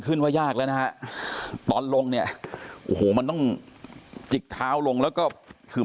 ว่ายากแล้วนะฮะตอนลงเนี่ยโอ้โหมันต้องจิกเท้าลงแล้วก็คือ